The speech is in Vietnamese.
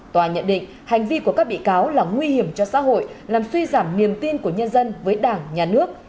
tòa nhận định hành vi của các bị cáo là nguy hiểm cho xã hội làm suy giảm niềm tin của nhân dân với đảng nhà nước